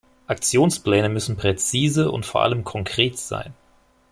Aktionspläne müssen präzise und vor Allem konkret sein.